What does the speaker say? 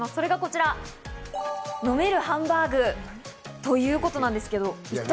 それがこちら、飲めるハンバーグということなんですけど。